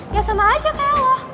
ya sama aja kayak loh